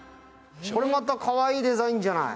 これまたかわいいでざいんじゃない？